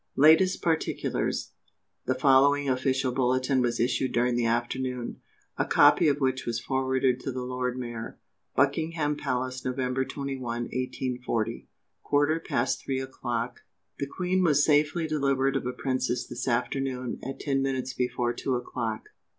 LATEST PARTICULARS. The following official bulletin was issued during the afternoon, a copy of which was forwarded to the Lord Mayor: "Buckingham Palace, Nov. 21, 1840. "Quarter past Three o'clock. "The Queen was safely delivered of a Princess this afternoon at ten minutes before two o'clock.